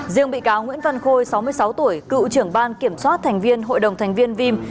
riêng bị cáo nguyễn văn khôi sáu mươi sáu tuổi cựu trưởng ban kiểm soát thành viên hội đồng thành viên vim